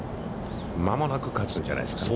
間もなく勝つんじゃないですか。